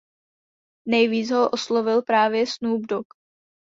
Nejvíc ho oslovil právě Snoop Dogg.